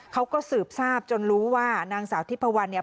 เขาก็สืบทราบจนรู้ว่านางสาวทิพวันเนี่ย